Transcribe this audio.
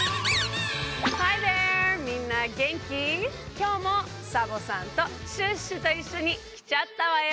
きょうもサボさんとシュッシュといっしょにきちゃったわよ！